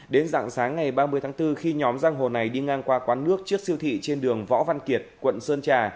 đến dạng sáng ngày ba mươi tháng bốn khi nhóm giang hồ này đi ngang qua quán nước trước siêu thị trên đường võ văn kiệt quận sơn trà